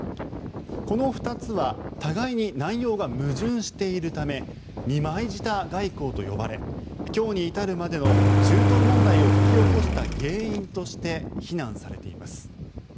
この２つは互いに内容が矛盾しているため二枚舌外交と呼ばれ今日に至るまでの中東問題を引き起こした原因として非難されています。